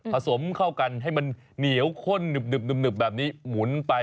ผสมเข้ากันให้มันเหนียวค่นหนึบแบบนี้